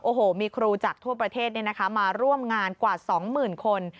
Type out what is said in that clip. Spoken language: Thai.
โอ้โหมีครูจากทั่วประเทศมาร่วมงานกว่า๒๐๐๐คน